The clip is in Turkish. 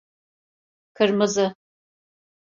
Kırmızı.